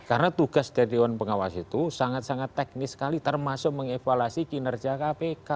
karena tugas dari dewan pengawas itu sangat sangat teknis sekali termasuk mengevaluasi kinerja kpk